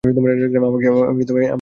আমাকে অ্যাম্বুলেন্সে ডাকতে হবে!